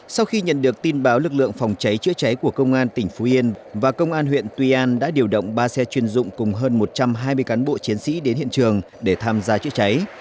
sau khi nhận được tin báo lực lượng phòng cháy chữa cháy của công an tỉnh phú yên và công an huyện tuy an đã điều động ba xe chuyên dụng cùng hơn một trăm hai mươi cán bộ chiến sĩ đến hiện trường để tham gia chữa cháy